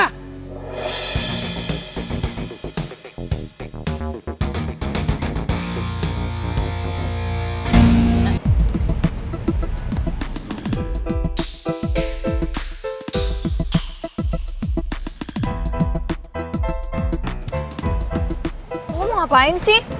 lu mau ngapain sih